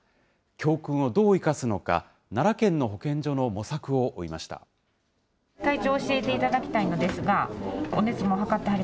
教訓をどう生かすのか、奈良県の保健所の模索を追いました。